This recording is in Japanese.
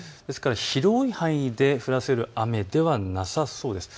広い範囲で降らせる雨ではなさそうです。